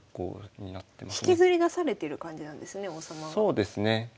そうですね。